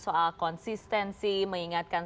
soal konsistensi mengingatkan